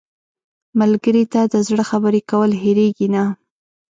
ملګری ته د زړه خبرې کول هېرېږي نه